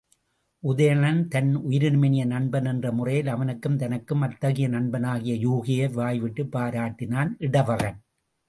உதயணன் தன் உயிரினுமினிய நண்பன் என்ற முறையில், அவனுக்கும் தனக்கும் அத்தகைய நண்பனேயாகிய யூகியை வாய்விட்டுப் பாராட்டினான் இடவகன்.